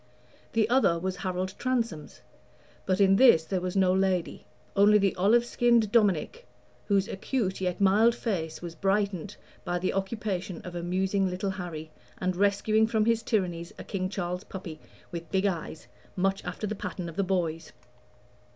The other was Harold Transome's; but in this there was no lady only the olive skinned Dominic, whose acute yet mild face was brightened by the occupation of amusing little Harry and rescuing from his tyrannies a King Charles puppy, with big eyes, much after the pattern of the boy's.